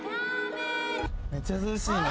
めっちゃ涼しいね